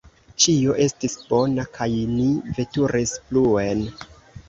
Ĉio estis bona, kaj ni veturis pluen.